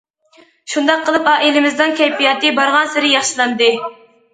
شۇنداق قىلىپ ئائىلىمىزنىڭ كەيپىياتى بارغانسېرى ياخشىلاندى.